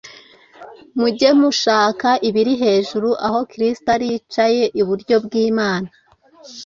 mujye mushaka ibiri hejuru aho Kristo ari, yicaye iburyo bw’Imana.